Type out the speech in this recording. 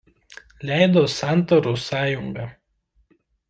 Leido Santaros sąjunga.